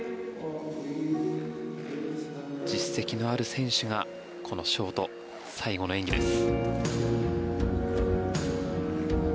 実績のある選手がこのショート、最後の演技です。